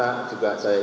seperti dalam tax amnesty